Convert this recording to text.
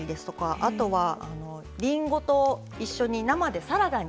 あとはりんごと一緒に生でサラダに。